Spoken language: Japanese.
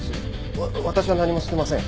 わ私は何もしてません。